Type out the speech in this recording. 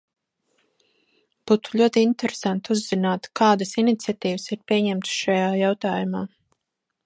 Būtu ļoti interesanti uzzināt, kādas iniciatīvas ir pieņemtas šajā jautājumā.